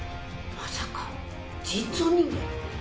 まさか、人造人間？